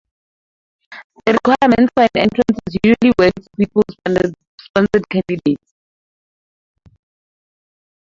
The requirement for an entrance is usually waived for such sponsored candidates.